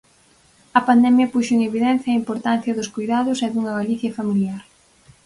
A pandemia puxo en evidencia a importancia dos coidados e dunha Galicia familiar.